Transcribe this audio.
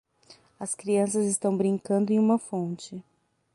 As crianças estão brincando em uma fonte.